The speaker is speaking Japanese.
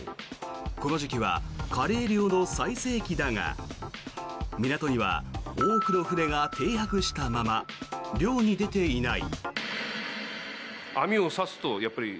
この時期はカレイ漁の最盛期だが港には多くの船が停泊したまま漁に出ていない。